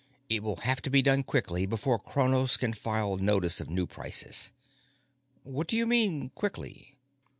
It will have to be done quickly, before Cronos can file notice of new prices." "What do you mean, 'quickly'?"